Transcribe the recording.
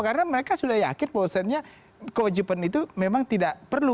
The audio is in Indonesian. karena mereka sudah yakin bahwa kewajiban itu memang tidak perlu